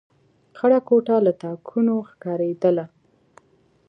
خړه کوټه له تاکونو ښکارېدله.